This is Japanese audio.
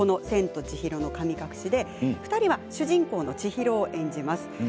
「千と千尋の神隠し」で２人は主人公の千尋を演じます。